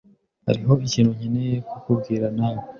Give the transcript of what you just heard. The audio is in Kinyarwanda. Hariho ikintu nkeneye kukubwira, nawe.